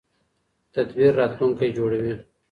تدبیر راتلونکی جوړوي